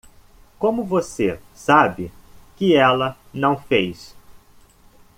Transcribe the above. Como você sabe que ela não fez?